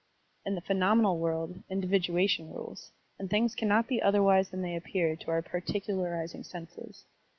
In the phenomenal world individuation rules, and things cannot be otherwise than they appear to our particularizing senses.